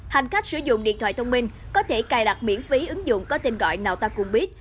hành khách sử dụng điện thoại thông minh có thể cài đặt miễn phí ứng dụng có tên gọi nào ta cùng biết